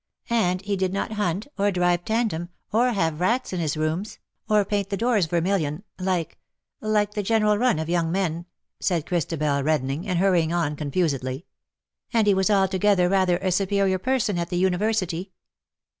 — and he did nothunt^ or drive tandem, or have rats in his rooms_, or paint the doors vermilion — like — like the general run of young men,''^ said Christabel,, reddening, and hurrying on confusedly ;'' and he was altogether rather a superior person at the university.''